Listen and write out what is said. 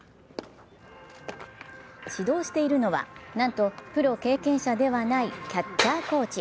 指導しているのは、なんとプロ経験者ではないキャッチャーコーチ。